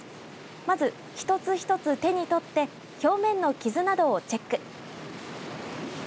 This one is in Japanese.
まず、一つ一つ手に取って表面の傷などをチェック。